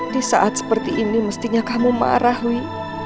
di saat seperti ini mestinya kamu marah wi